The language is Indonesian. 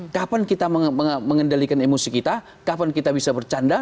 kapan kita mengendalikan emosi kita kapan kita bisa bercanda